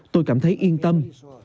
tôi cảm thấy yên tâm